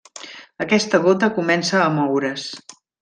Aquesta gota comença a moure's.